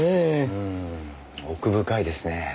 うん奥深いですね。